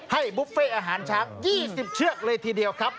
ให้บุฟเฟต์อาหารชัก๒๐เชือกเลยทีเดียวครับ